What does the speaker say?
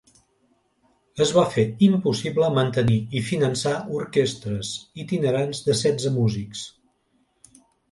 Es va fer impossible mantenir i finançar orquestres itinerants de setze músics.